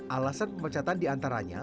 alasan pemecatan diantaranya